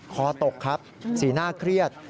คอตกครับสีหน้าเครียด